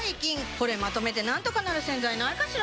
これまとめてなんとかなる洗剤ないかしら？